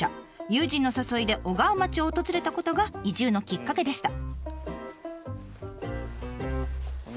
友人の誘いで小川町を訪れたことが移住のきっかけでした。